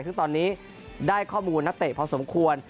ซึ่งตอนนี้ได้ข้อมูลนักเตะพอสมควร